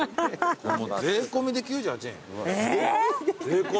税込みで９８円よ。